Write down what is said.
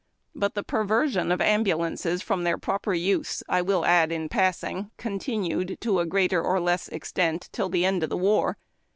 But the perversion of ambulances from their proper use, I will add in passing, continued, to a greater or less extent, till the end of the war.